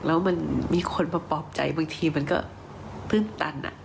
แล้วมันมีคนมาปลอบใจบางทีมันก็ตื้นตัน